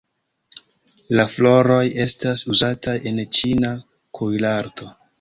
La floroj estas uzataj en la ĉina kuirarto.